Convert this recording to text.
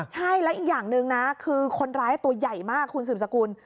ใช่แล้วอีกอย่างหนึ่งนะคือคนร้ายตัวใหญ่มากคุณสืบสกุล